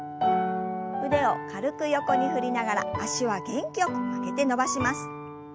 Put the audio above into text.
腕を軽く横に振りながら脚は元気よく曲げて伸ばします。